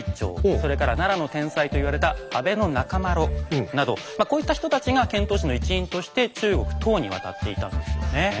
それから奈良の天才と言われた阿倍仲麻呂などこういった人たちが遣唐使の一員として中国唐に渡っていたんですよね。